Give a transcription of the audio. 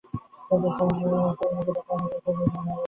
প্রথম শ্রেণীর জীবনের লক্ষ্য হইল প্রত্যক্ষ অনুভূতি, দ্বিতীয়ের ভগবৎপ্রেম।